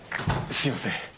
すいません。